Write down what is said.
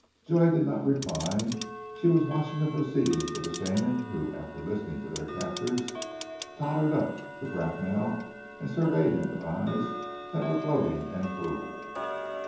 Joy did not reply. She was watching the proceedings of the Shaman, who after listening to their captors, tottered up to Bracknell and surveyed him with eyes that were gloating and cruel.